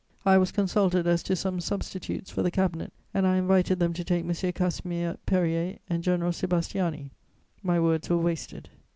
I was consulted as to some substitutes for the cabinet and I invited them to take M. Casimir Périer and General Sébastiani: my words were wasted.